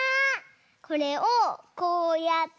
これをこうやって。